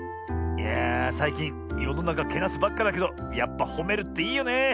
いやあさいきんよのなかけなすばっかだけどやっぱほめるっていいよね。